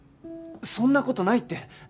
そんな事ないって。